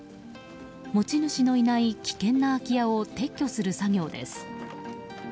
持ち主のいない危険な空き家を撤去する作業です。